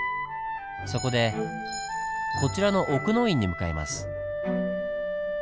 そこでこちらの奥の院に向かいます。